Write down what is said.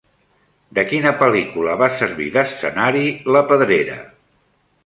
De quina pel·lícula va servir d'escenari La Pedrera?